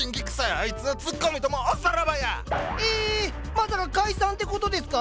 まさか解散ってことですか